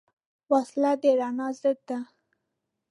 وسله د رڼا ضد ده